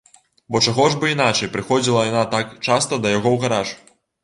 Бо чаго ж бы іначай прыходзіла яна так часта да яго ў гараж?